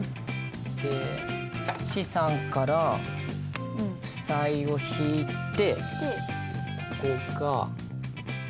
資産から負債を引いてここが。